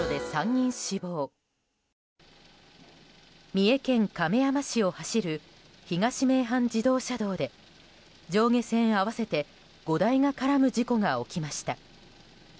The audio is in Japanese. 三重県亀山市を走る東名阪自動車道で上下線合わせて５台が絡む事故が起きました。